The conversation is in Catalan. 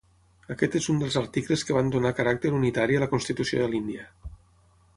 Aquest és un dels articles que van donar caràcter unitari a la Constitució de l'Índia.